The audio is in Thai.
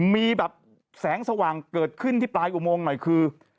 มีแบบแสงสว่างเกิดขึ้นที่ปลายอุโมงหน่อยคือ